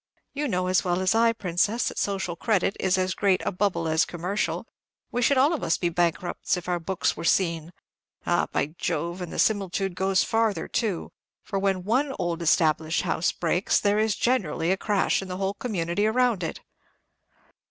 You know as well as I, Princess, that social credit is as great a bubble as commercial; we should all of us be bankrupts if our books were seen. Ay, by Jove! and the similitude goes farther too; for when one old established house breaks, there is generally a crash in the whole community around it."